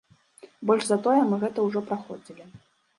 Больш за тое, мы гэта ўжо праходзілі.